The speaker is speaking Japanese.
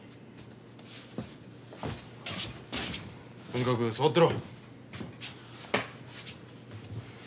とにかく座ってろ。